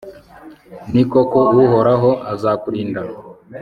ni koko, uhoraho azakurinda